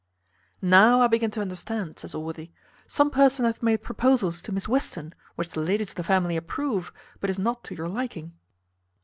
"Now I begin to understand," says Allworthy; "some person hath made proposals to Miss Western, which the ladies of the family approve, but is not to your liking."